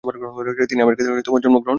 তিনি আমেরিকাতে জন্ম গ্রহণ করেন।